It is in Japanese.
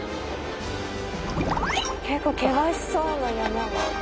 結構険しそうな山がある。